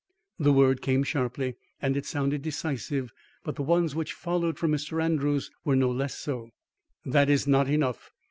The word came sharply, and it sounded decisive; but the ones which followed from Mr. Andrews were no less so. "That is not enough.